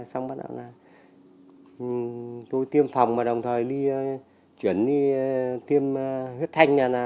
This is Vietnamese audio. xong bắt đầu là tôi tiêm phòng và đồng thời đi chuyển đi tiêm huyết thanh